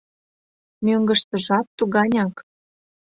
Мӧҥгыштыжат туганяк.